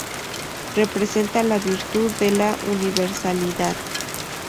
Representa la virtud de la universalidad.